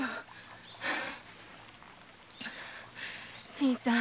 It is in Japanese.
新さん。